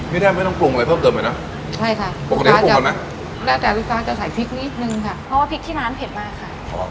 แล้วแต่วิฟาจะใส่พริกนิดหนึ่งค่ะเพราะว่าพริกที่น้ำเผ็ดมากค่ะ